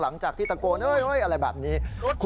หลังจากที่ตะโกนอะไรแบบนี้